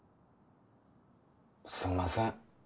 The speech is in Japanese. すんません